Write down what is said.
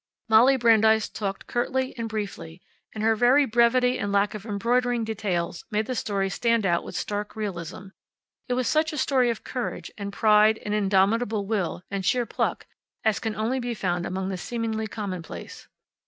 Molly Brandeis talked curtly and briefly, and her very brevity and lack of embroidering details made the story stand out with stark realism. It was such a story of courage, and pride, and indomitable will, and sheer pluck as can only be found among the seemingly commonplace.